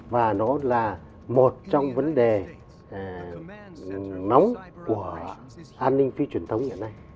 và nó là một trong vấn đề nóng của an ninh phi truyền thống hiện nay